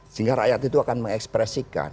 sehingga rakyat itu akan mengekspresikan